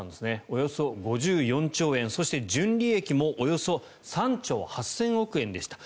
およそ５４兆円そして、純利益もおよそ３兆８０００億円でした。